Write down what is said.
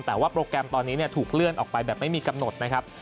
แต่ว่าโปรแกรมตอนนี้ถูกเลื่อนออกไปแบบไม่มีกำหนดนะครับ